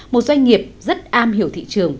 một doanh nghiệp rất am hiểu thị trường